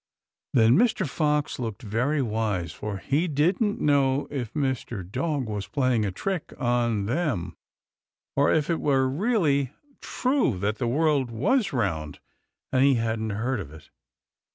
Then Mr. Fox looked very wise, for he didn't know if Mr. Dog was playing a trick on them, or if it were really true that the world was round and he hadn't heard of it.